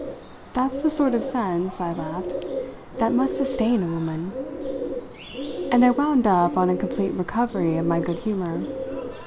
That's the sort of sense," I laughed, "that must sustain a woman!" And I wound up on a complete recovery of my good humour.